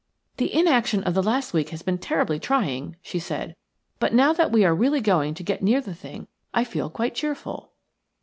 "The inaction of the last week has been terribly trying," she said. "But now that we are really going to get near the thing I feel quite cheerful."